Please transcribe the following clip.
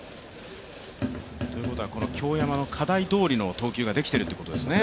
京山の課題どおりの投球ができているということですね。